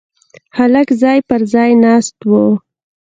هلک ځای پر ځای ناست و.